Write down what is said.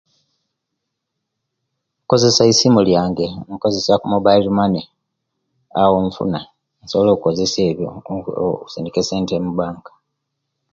Inkozesia isimu lyange ninkozesia kumobile mane awo infuna insobola okozesia ebyo okusindika esente mubanka